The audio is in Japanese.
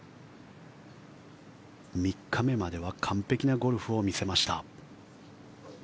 ３日目までは完璧なゴルフを見せました。